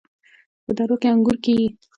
په درو کې انګور کیږي.